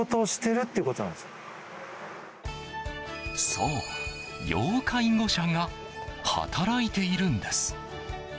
そう、要介護者が働いているんです。